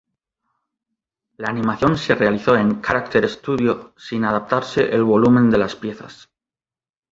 La animación se realizó en Character Studio, sin adaptarse el volumen de las piezas.